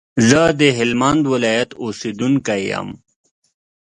زه د هلمند ولايت اوسېدونکی يم